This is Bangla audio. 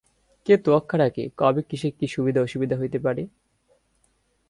কে তোয়াক্কা রাখে কবে কিসে কী সুবিধা অসুবিধা হইতে পারে?